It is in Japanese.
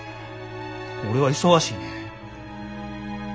俺は忙しいねん。